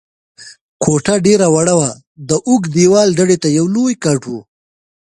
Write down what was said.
کوټه ډېره وړه وه، د اوږد دېوال ډډې ته یو لوی کټ و.